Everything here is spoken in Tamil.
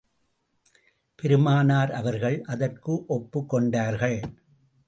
பெருமானார், அவர்கள், அதற்கு ஒப்புக் கொண்டார்கள்.